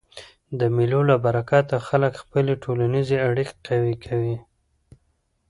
د مېلو له برکته خلک خپلي ټولنیزي اړیکي قوي کوي.